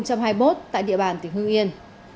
tại địa bàn tỉnh hương yên